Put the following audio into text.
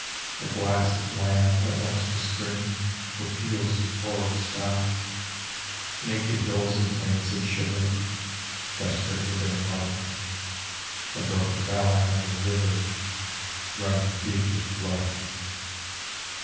A blasted land that once was green, Where fields and forests die. Naked hills and plains that shiver Desperate with their mud. A broken valley and a river Running deep with blood.